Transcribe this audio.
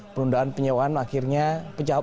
penundaan penyewaan akhirnya pecahkan